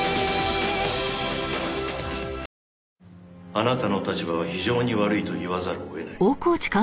あなたの立場は非常に悪いと言わざるを得ない。